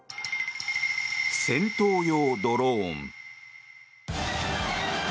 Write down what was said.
戦闘用ドローン。